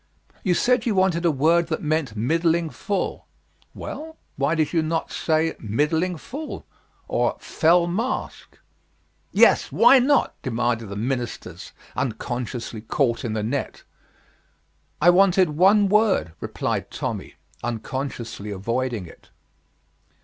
"You said you wanted a word that meant middling full. Well, why did you not say middling full or fell mask?" "Yes, why not?" demanded the ministers, unconsciously caught in the net. "I wanted one word," replied Tommy, unconsciously avoiding it.